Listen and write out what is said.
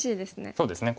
そうですね